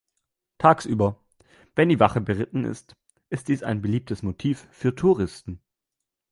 Tagsüber, wenn die Wache beritten ist, ist dies ein beliebtes Motiv für Touristen.